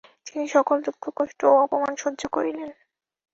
তিনি সকল দুঃখকষ্ট ও অপমান সহ্য করিলেন।